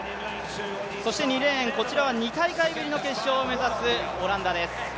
２レーン、２大会ぶりの決勝を目指すオランダです。